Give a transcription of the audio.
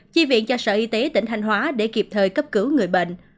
chi viện cho sở y tế tỉnh thanh hóa để kịp thời cấp cứu người bệnh